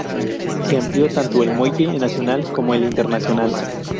Se amplió tanto el muelle nacional como el internacional.